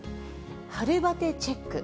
春バテチェック。